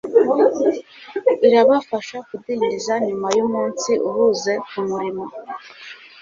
Irabafasha kudindiza nyuma yumunsi uhuze kumurimo